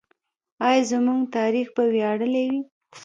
آیا زموږ تاریخ به ویاړلی وي؟